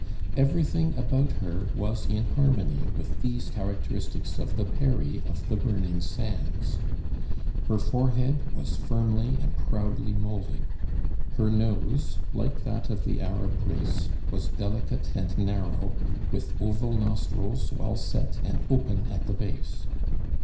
Everything about her was in harmony with these characteristics of the Peri of the burning sands. Her forehead was firmly and proudly molded. Her nose, like that of the Arab race, was delicate and narrow, with oval nostrils well set and open at the base.